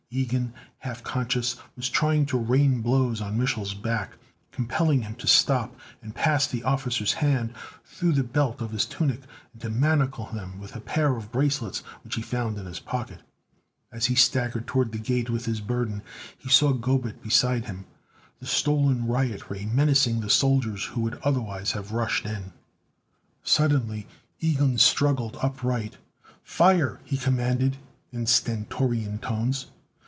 Ilgen, half conscious, was trying to rain blows on Mich'l's back, compelling him to stop and pass the officer's hands through the belt of his tunic and to manacle them with a pair of bracelets which he found in his pocket. As he staggered toward the Gate with his burden, he saw Gobet beside him, the stolen riot ray menacing the soldiers, who would otherwise have rushed in. Suddenly Ilgen struggled upright. "Fire," he commanded in stentorian tones.